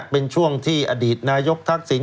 เป็นช่วงที่อดีตนายกทักษิณ